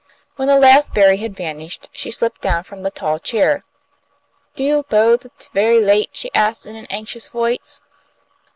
When the last berry had vanished, she slipped down from the tall chair. "Do you 'pose it's very late?" she asked, in an anxious voice.